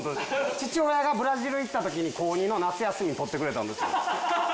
父親がブラジル行った時に高２の夏休みに撮ってくれたんですよ。